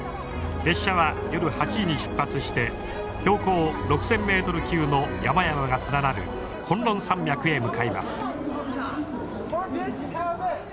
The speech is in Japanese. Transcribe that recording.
列車は夜８時に出発して標高６，０００ｍ級の山々が連なる崑崙山脈へ向かいます。